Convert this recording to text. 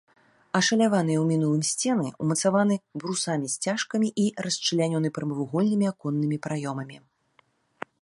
Ашаляваныя ў мінулым сцены ўмацаваны брусамі-сцяжкамі і расчлянёны прамавугольнымі аконнымі праёмамі.